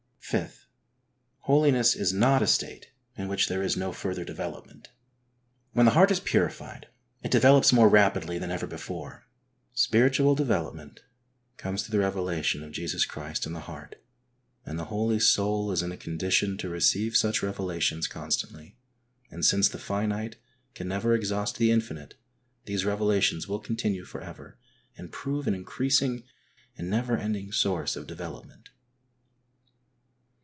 V. Holiness is not a state in which thc 7 X is no further development. When the heart is purified it develops more rapidly than ever before. Spiritual develop ment comes through the revelation of Jesus Christ in the heart, and the holy soul is in a condition to receive such revelations constantly, and since the finite can never exhaust the infinite, these revelations will continue for ever and prove an increasing and never ending source of de velopment.